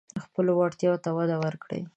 خپلو وړتیاوو ته وده ورکړئ.